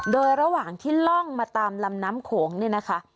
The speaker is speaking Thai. โดยระหว่างที่ล่องมาตามลำน้ำโขงเนี่ยนะคะ